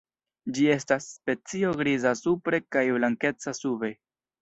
Ĝi estas specio griza supre kaj blankeca sube.